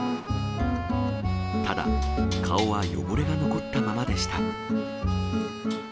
ただ、顔は汚れが残ったままでした。